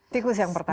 tikus yang pertama